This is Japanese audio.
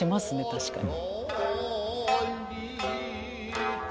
確かに。